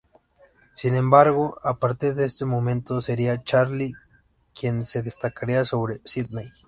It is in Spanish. Sin embargo, a partir de este momento sería Charlie quien se destacaría sobre Sydney.